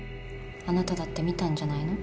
あなただって見たんじゃないの？